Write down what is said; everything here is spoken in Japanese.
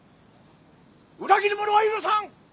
裏切り者は許さん！